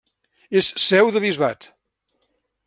És seu de bisbat.